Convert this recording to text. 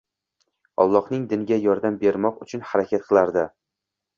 Allohning diniga yordam bermoq uchun harakat qilardi.